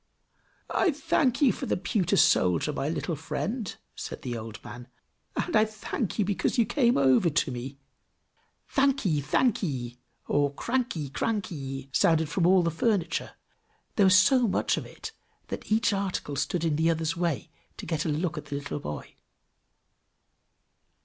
"I thank you for the pewter soldier, my little friend!" said the old man. "And I thank you because you come over to me." "Thankee! thankee!" or "cranky! cranky!" sounded from all the furniture; there was so much of it, that each article stood in the other's way, to get a look at the little boy.